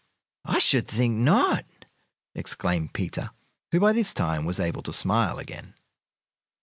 "I should think not!" exclaimed Peter, who by this time was able to smile again.